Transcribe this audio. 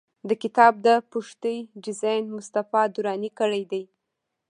د کتاب د پښتۍ ډیزاین مصطفی دراني کړی دی.